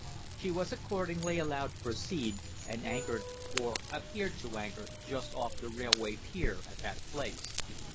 She was accordingly allowed to proceed, and anchored, or appeared to anchor, just off the railway pier at that place.